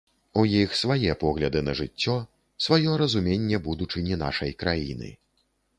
У іх свае погляды на жыццё, сваё разуменне будучыні нашай краіны.